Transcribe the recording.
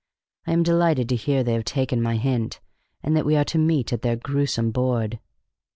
I am delighted to hear they have taken my hint, and that we are to meet at their gruesome board."